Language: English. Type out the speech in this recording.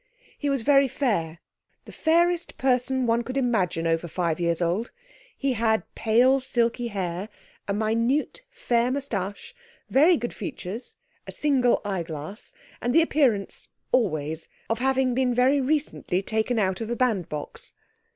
He was very fair, the fairest person one could imagine over five years old. He had pale silky hair, a minute fair moustache, very good features, a single eyeglass, and the appearance, always, of having been very recently taken out of a bandbox.